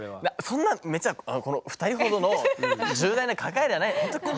そんなめちゃこの２人ほどの重大な抱えではないほんと